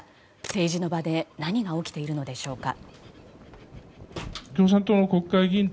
政治の場で何が起きているのでしょうか。